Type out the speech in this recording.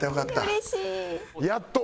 うれしい！